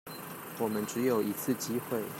我們只有一次機會